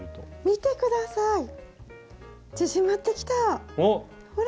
見て下さい縮まってきたほら！